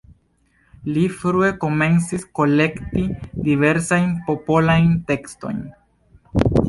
Li frue komencis kolekti diversajn popolajn tekstojn.